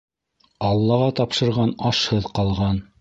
Аллаға тапшырған ашһыҙ ҡалған.